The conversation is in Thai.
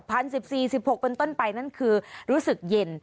สิบสี่สิบหกเป็นต้นไปนั่นคือรู้สึกเย็น